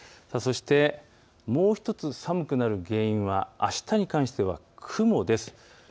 そして、もう１つ寒くなる原因はあしたに関しては、雲です。